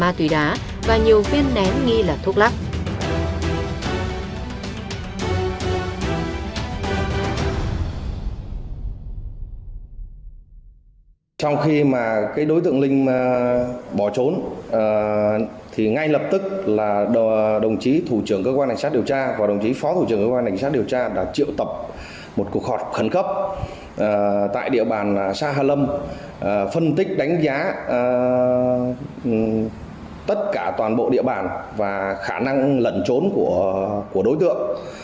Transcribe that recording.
sau khi đối tượng linh bỏ trốn đồng chí thủ trưởng cơ quan đảnh sát điều tra và đồng chí phó thủ trưởng cơ quan đảnh sát điều tra đã triệu tập một cuộc họp khẩn cấp tại địa bàn xã hà lâm phân tích đánh giá tất cả toàn bộ địa bàn và khả năng lận trốn của đối tượng